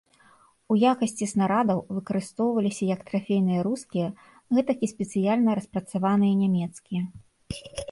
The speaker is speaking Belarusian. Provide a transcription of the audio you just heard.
У якасці снарадаў выкарыстоўваліся як трафейныя рускія, гэтак і спецыяльна распрацаваныя нямецкія.